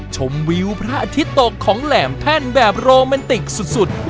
ชมวิวพระอาทิตย์ตกของแหลมแท่นแบบโรแมนติกสุด